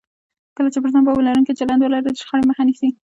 کله چې پر ځان باور لرونکی چلند ولرئ، د شخړې مخه نیسئ.